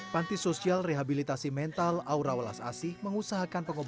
panti rehabilitasi mental aura walas asih